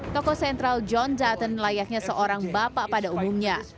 toko sentral john dutton layaknya seorang bapak pada umumnya